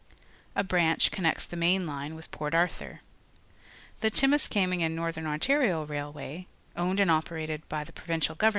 A branch connects the main line with Port ArtJnir. The Timiskaming and Nort hern Ontario Railwaj", ownejd antl operated by the Pro^•incial Gov